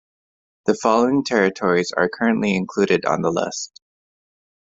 The following territories are currently included on the list.